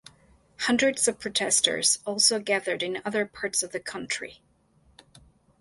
Hundreds of protesters also gathered in other parts of the country.